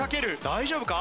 大丈夫か？